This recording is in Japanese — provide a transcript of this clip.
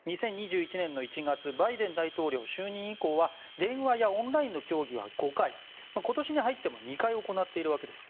２０２１年の１月バイデン大統領就任以降は電話やオンラインの協議は５回今年に入っても２回、行っているわけです。